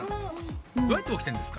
どうやっておきてるんですか？